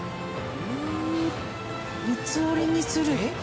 ３つ折りにする。